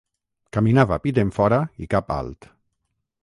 Caminava pit enfora i cap alt.